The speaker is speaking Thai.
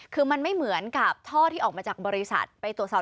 คือมันไม่เหมือนกับท่อที่ออกมาจากบริษัทไปตรวจสอบ